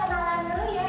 oke kita kembangkan dulu ya